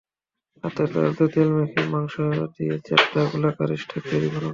হাতের তালুতে তেল মেখে মাংস দিয়ে চ্যাপ্টা গোলাকার স্টেক তৈরি করুন।